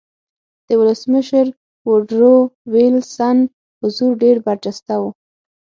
د ولسمشر ووډرو وېلسن حضور ډېر برجسته و